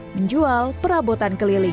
menjual perabotan keliling